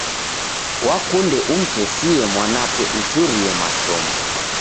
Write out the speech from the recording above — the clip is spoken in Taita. Wakunde umtesie mwanape uchurie mashomo.